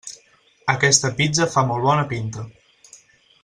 Aquesta pizza fa molt bona pinta.